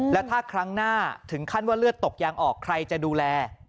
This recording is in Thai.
แล้วถ้าครั้งหน้าถึงขั้นว่าเลือดตกยางออกใครจะดูแล